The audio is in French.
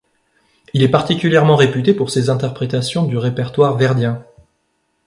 Il est particulièrement réputé pour ses interprétations du répertoire verdien.